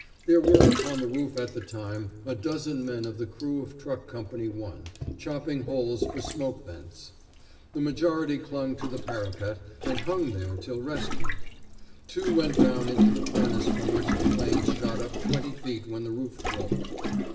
There were upon the roof at the time a dozen men of the crew of Truck Company No. 1, chopping holes for smoke vents. The majority clung to the parapet, and hung there till rescued. Two went down into the furnace from which the flames shot up twenty feet when the roof broke.